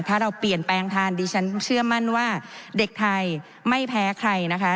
ถ้าเราเปลี่ยนแปลงทานดิฉันเชื่อมั่นว่าเด็กไทยไม่แพ้ใครนะคะ